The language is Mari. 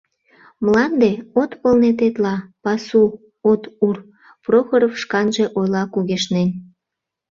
«Мланде, от пылне тетла, пасу, от ур», Прохоров шканже ойла кугешнен.